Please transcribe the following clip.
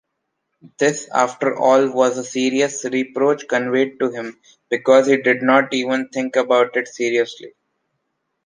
This, after all, was a serious reproach conveyed to him, because he did not even think about it seriously.